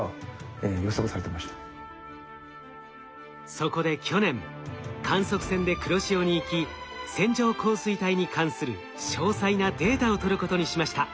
そこで去年観測船で黒潮に行き線状降水帯に関する詳細なデータを取ることにしました。